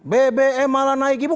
bbm malah naik ibu